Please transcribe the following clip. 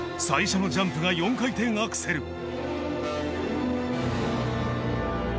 最初のジャンプが４回転アクセル。